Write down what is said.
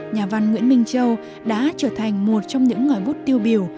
nhà văn nguyễn minh châu đã trở thành một trong những ngòi bút tiêu biểu